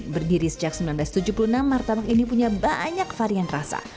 berdiri sejak seribu sembilan ratus tujuh puluh enam martabak ini punya banyak varian rasa